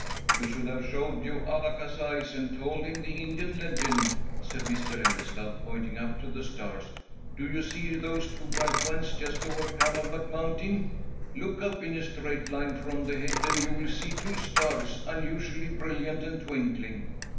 "We should have showed Jo Alaka's eyes, and told him the Indian legend," said Mr. Ellestad, pointing up to the stars. "Do you see those two bright ones just over Camelback Mountain? Look up in a straight line from the head, and you will see two stars unusually brilliant and twinkling.